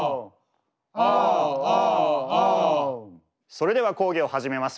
それでは講義を始めます。